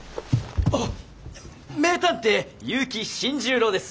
あっ名探偵結城新十郎です。